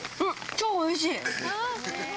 超おいしい！